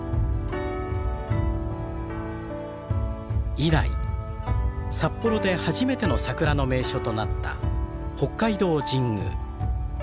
以来札幌で初めての桜の名所となった北海道神宮。